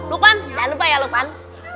lupan jangan lupa ya lupan